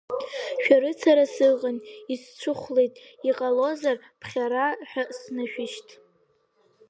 Шәарыцара сыҟан, исцәыхәлеит, иҟалозар, ԥхьара ҳәа снашәышьҭ!